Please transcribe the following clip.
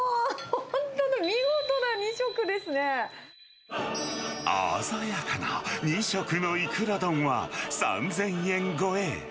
本当だ、鮮やかな２色のいくら丼は、３０００円超え。